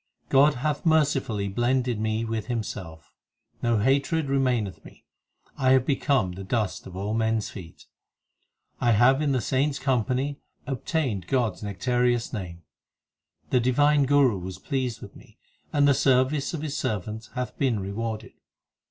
God hath mercifully blended me with Himself. No hatred remaineth me ; I have become the dust of all men s feet ; And I have in the saints company obtained God s nec tareous name. The divine Guru was pleased with me, And the service of his servant hath been rewarded.